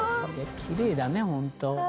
きれいだねホント。